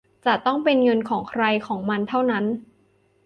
จะต้องเป็นเงินของใครของมันเท่านั้น